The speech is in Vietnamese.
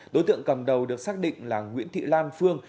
đối tượng cầm đầu được xác định là nguyễn thị lan phương